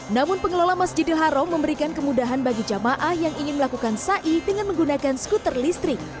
namun pengelola masjidil haram memberikan kemudahan bagi jamaah yang ingin melakukan ⁇ sai ⁇ dengan menggunakan skuter listrik